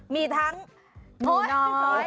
มีทั้งหมูน้อย